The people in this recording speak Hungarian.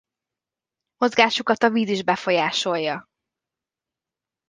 Mozgásukat a víz is befolyásolja.